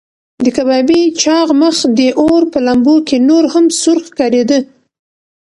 د کبابي چاغ مخ د اور په لمبو کې نور هم سور ښکارېده.